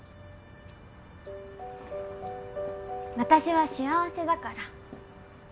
私は幸せだから。